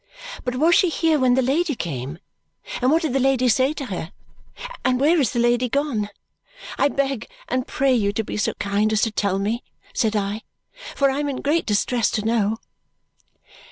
"But was she here when the lady came? And what did the lady say to her? And where is the lady gone? I beg and pray you to be so kind as to tell me," said I, "for I am in great distress to know."